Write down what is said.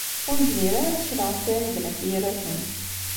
Ur nezmir ara ad nettkel ɣef Farid n At Yiraten.